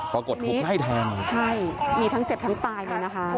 ถูกไล่แทงอ่ะใช่มีทั้งเจ็บทั้งตายเลยนะคะ